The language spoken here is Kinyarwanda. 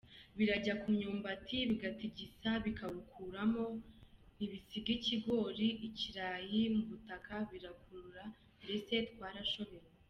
Birajya ku myumbati bigatigisa bikawukuramo, ntibisiga ikigori, ikirayi mu butaka birakura, mbese twarashobewe”.